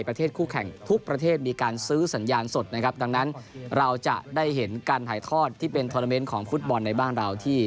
คู่แข่งทุกประเทศมีการซื้อสัญญาณสดนะครับดังนั้นเราจะได้เห็นการถ่ายทอดที่เป็นทอนาเมนต์ของฟุตบอลในบ้านเราที่